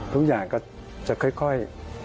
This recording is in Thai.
ทุกอย่างก็จะค่อย